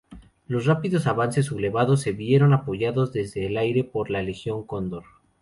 Los rápidos avances sublevados se vieron apoyados desde el aire por la "Legión Cóndor".